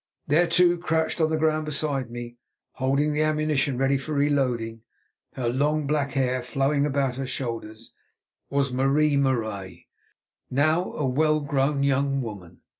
There, too, crouched on the ground beside me, holding the ammunition ready for re loading, her long, black hair flowing about her shoulders, was Marie Marais, now a well grown young woman.